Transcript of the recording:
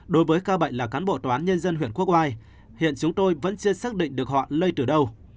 đối với ca bệnh là cán bộ tòa án nhân dân huyện quốc oai hiện chúng tôi vẫn chưa xác định được họ lây từ đâu